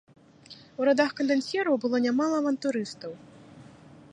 У радах кандацьераў было нямала авантурыстаў.